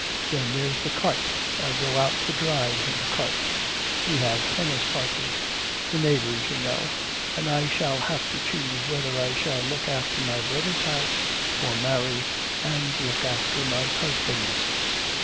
Then there's the cart I go out for drives in the cart. We have tennis parties the neighbours, you know, and I shall have to choose whether I shall look after my brother's house, or marry and look after my husband's.'